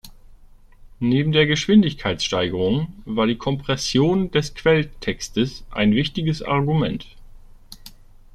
Neben der Geschwindigkeitssteigerung war die Kompression des Quelltextes ein gewichtiges Argument.